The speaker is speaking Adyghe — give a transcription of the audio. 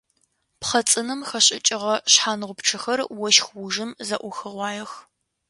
Пхъэ цӏынэм хэшӏыкӏыгъэ шъхьэнгъупчъэхэр ощх ужым зэӏухыгъуаех.